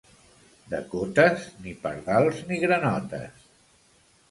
De Cotes, ni pardals ni granotes.